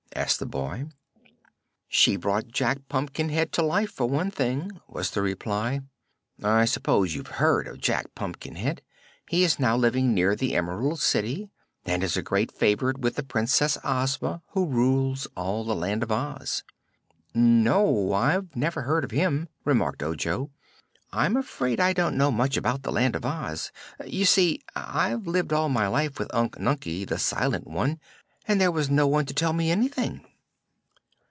asked the boy. "She brought Jack Pumpkinhead to life, for one thing," was the reply. "I suppose you've heard of Jack Pumpkinhead. He is now living near the Emerald City and is a great favorite with the Princess Ozma, who rules all the Land of Oz." "No; I've never heard of him," remarked Ojo. "I'm afraid I don't know much about the Land of Oz. You see, I've lived all my life with Unc Nunkie, the Silent One, and there was no one to tell me anything."